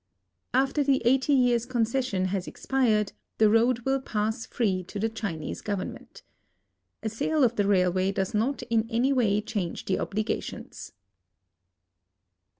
After the eighty years' concession has expired the road will i)ass free to the Chinese government. A sale of the railway does not in anyway change the obligations.